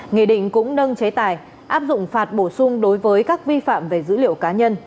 nghị định cũng nâng chế tài áp dụng phạt bổ sung đối với các vi phạm về dữ liệu cá nhân